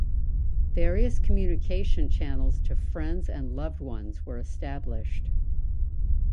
Various communication channels to friends and loved ones were established.